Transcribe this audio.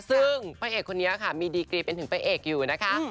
คือพระเอกดังคือนี้มีดีกรีส์เป็นภาคเอกดังอยู่นะคะ